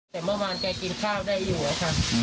แต่เมื่อละกลายแกกินข้าวได้อยู่นะคะ